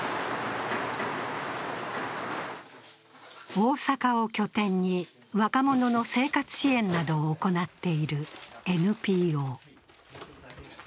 大阪を拠点に若者の生活支援などを行っているＮＰＯ。